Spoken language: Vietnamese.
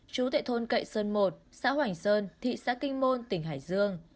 chú tệ thôn cậy sơn i xã hoành sơn thị xã kinh môn tỉnh hải dương